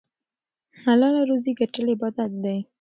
حلاله روزي ګټل عبادت دی.